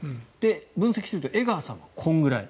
分析すると江川さんはこれくらい。